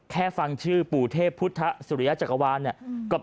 แค่ฟังชื่อปู่เทพพุทธสุริยาจักรวาล